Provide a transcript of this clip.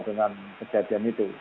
dengan kejadian itu